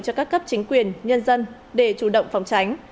cho các cấp chính quyền nhân dân để chủ động phòng tránh